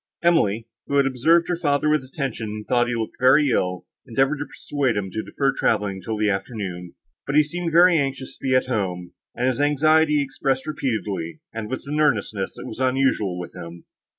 Emily, who had observed her father with attention and thought he looked very ill, endeavoured to persuade him to defer travelling till the afternoon; but he seemed very anxious to be at home, and his anxiety he expressed repeatedly, and with an earnestness that was unusual with him.